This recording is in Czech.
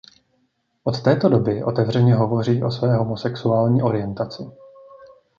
Od této doby otevřeně hovoří o své homosexuální orientaci.